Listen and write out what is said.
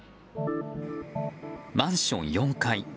マンション４階